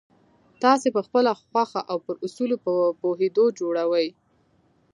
تاسې یې پخپله خوښه او پر اصولو په پوهېدو جوړوئ